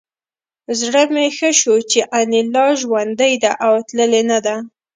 زړه مې ښه شو چې انیلا ژوندۍ ده او تللې نه ده